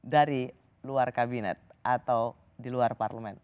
dari luar kabinet atau di luar parlemen